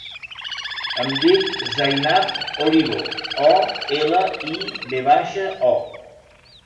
Em dic Zainab Olivo: o, ela, i, ve baixa, o.